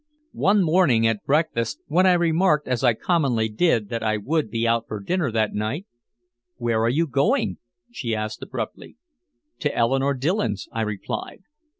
One morning at breakfast, when I remarked as I commonly did that I would be out for dinner that night, "Where are you going?" she asked abruptly. "To Eleanore Dillon's," I replied.